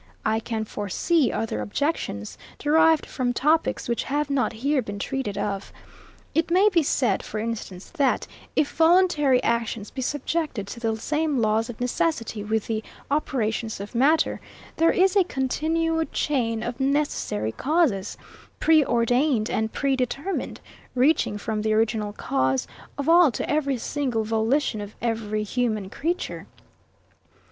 I can foresee other objections, derived from topics which have not here been treated of. It may be said, for instance, that, if voluntary actions be subjected to the same laws of necessity with the operations of matter, there is a continued chain of necessary causes, pre ordained and pre determined, reaching from the original cause of all to every single volition of every human creature.